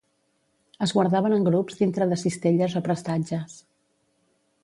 Es guardaven en grups dintre de cistelles o prestatges.